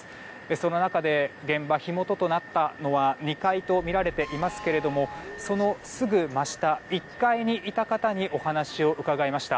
その中で、現場火元となったのは２階とみられていますけどもそのすぐ真下、１階にいた方にお話を伺いました。